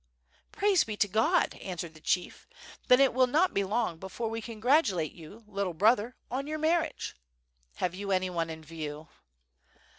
"Praise be to God!" answered the chief, "then it will not be long before we congratulate you, little brother, on your marriage. Have you any one in view?"